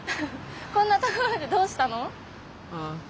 こんなところでどうしたの？